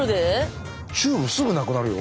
チューブすぐなくなるよ？